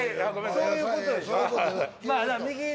そういう事でしょ？